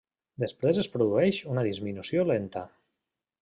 Després es produeix una disminució lenta.